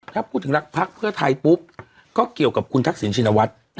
ถ้าพูดถึงรักภักดิ์เพื่อไทยปุ๊บก็เกี่ยวกับคุณทักษิณชินวัฒน์